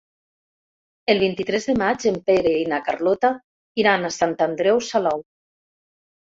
El vint-i-tres de maig en Pere i na Carlota iran a Sant Andreu Salou.